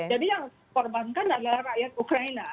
jadi yang korbankan adalah rakyat ukraina